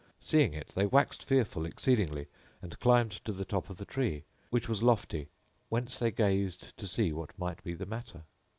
Seeing it, they waxed fearful exceedingly and climbed to the top of the tree, which was a lofty; whence they gazed to see what might be the matter.